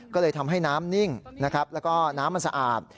ก็เลยทำให้น้ำนิ่งนะครับแล้วก็น้ำมันสะอาด